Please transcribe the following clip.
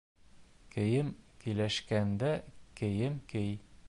Кейем килешкәндә, кейем кей.